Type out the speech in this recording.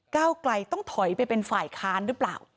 ก้าวไกลต้องถอยไปเป็นฝ่ายค้านหรือเปล่า